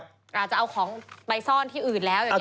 อาจจะเอาของไปซ่อนที่อื่นแล้วอย่างนี้